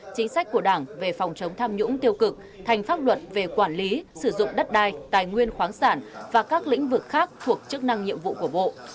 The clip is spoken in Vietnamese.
chính sách của đảng về phòng chống tham nhũng tiêu cực thành pháp luật về quản lý sử dụng đất đai tài nguyên khoáng sản và các lĩnh vực khác thuộc chức năng nhiệm vụ của bộ